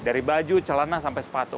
dari baju celana sampai sepatu